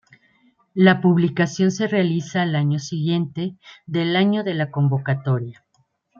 La publicación se realiza al año siguiente del año de la convocatoria.